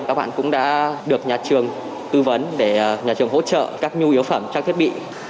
các bạn cũng đã được nhà trường tư vấn để nhà trường hỗ trợ các nhu yếu phẩm trang thiết bị